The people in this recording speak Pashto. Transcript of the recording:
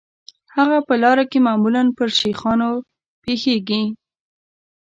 هغه په لاره کې معمولاً پر شیخانو پیښیږي.